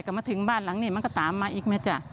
ก็มาถึงบ้านหลังนี้มันก็ตามมาอีกไหมจ๊ะ